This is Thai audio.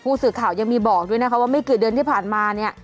สื่อข่าวยังมีบอกด้วยนะคะว่าไม่กี่เดือนที่ผ่านมาเนี่ย